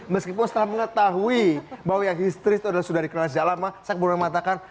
meskipun setelah mengetahui bahwa yang istri sudah dikenal sejak lama saya kemudian mengatakan